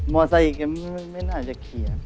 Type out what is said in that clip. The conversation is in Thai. มอเซอร์เดียวไม่น่าจะขี่